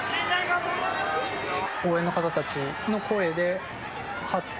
応援の方たちの声で、はって、